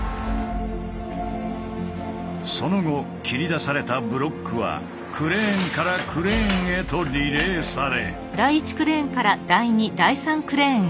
その後切り出されたブロックはクレーンからクレーンへとリレーされ。